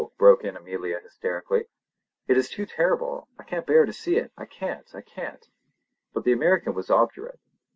broke in Amelia hysterically. "It is too terrible! I can't bear to see it!—I can't! I can't!" But the American was obdurate.